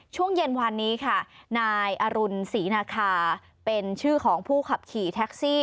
ช่วงเย็นวันนี้ค่ะนายอรุณศรีนาคาเป็นชื่อของผู้ขับขี่แท็กซี่